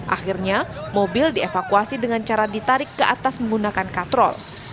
akhirnya mobil dievakuasi dengan cara ditarik ke atas menggunakan katrol